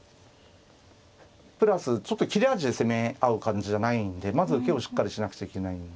プラスちょっと切れ味で攻め合う感じじゃないんでまず受けをしっかりしなくちゃいけないんで。